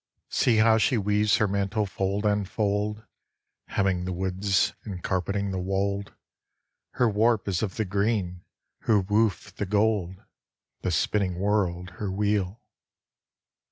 See how she weaves her mantle fold on fold, Hemming the woods and carpeting the wold. Her warp is of the green, her woof the gold, The spinning world her wheel.